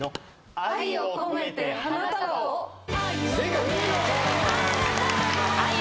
『愛をこめて花束を』正解！